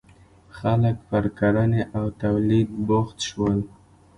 • خلک پر کرنې او تولید بوخت شول.